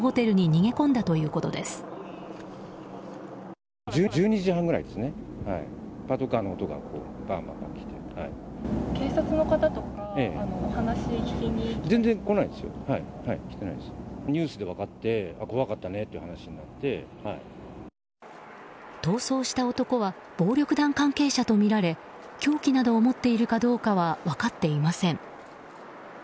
逃走した男は暴力団関係者とみられ凶器などを持っているかどうかは分かっていません。